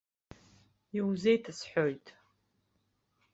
Иузеиҭасҳәоит.